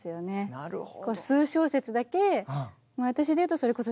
なるほど。